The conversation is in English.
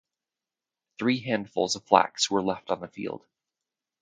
Three handfuls of flax were left on the field.